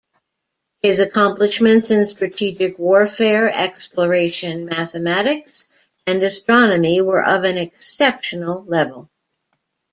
His accomplishments in strategic warfare, exploration, mathematics and astronomy were of an exceptional level.